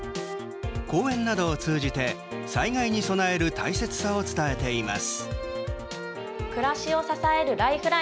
講演などを通じて災害に備える大切さを伝えています。